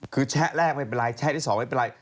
คือแชะแรกไม่เป็นไรแชะที่๒ไม่เป็นไร